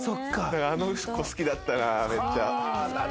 だからあの子好きだったなめっちゃ。